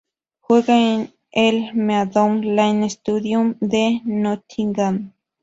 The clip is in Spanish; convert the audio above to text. Juegan en el Meadow Lane Stadium de Nottingham.